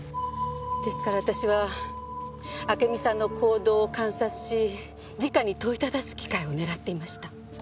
ですから私は暁美さんの行動を観察しじかに問いただす機会を狙っていました。